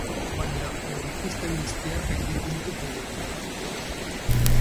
Baina, aurrikuspen guztiak gainditu ditu proiektuak.